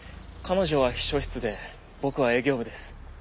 彼女は秘書室で僕は営業部です。